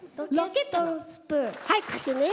はいかしてね。